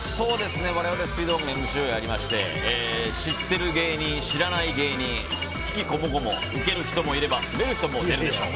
我々スピードワゴンＭＣをやりまして知ってる芸人、知らない芸人悲喜こもごも受ける人もいればスベる人もいるでしょう。